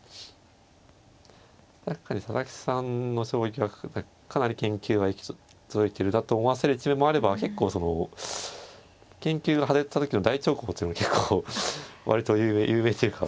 確かに佐々木さんの将棋はかなり研究が行き届いてるなと思わせる一面もあれば結構その研究が外れた時の大長考というのも結構割と有名というか。